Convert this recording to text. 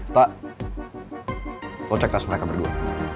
tak lo cek tas mereka berdua